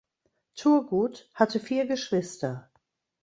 Turgut hatte vier Geschwister.